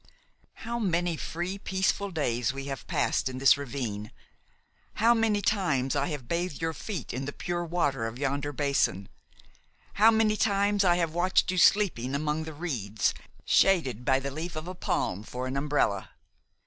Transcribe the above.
"How many free, peaceful days we have passed in this ravine! How many times I have bathed your feet in the pure water of yonder basin! How many times I have watched you sleeping among the reeds, shaded by the leaf of a palm for an umbrella!